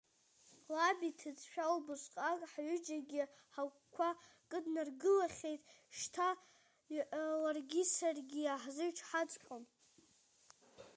Лаб иҭыӡшәа убысҟак ҳҩыџьагьы ҳагәқәа кыднаргылахьеит, шьҭа ларгьы саргьы иаҳзычҳаҵәҟьом.